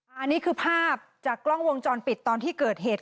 อันนี้คือภาพจากกล้องวงจรปิดตอนที่เกิดเหตุ